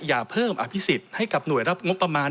อย่าเพิ่มอภิษฎให้กับหน่วยรับงบประมาณ